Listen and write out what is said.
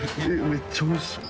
めっちゃおいしそう。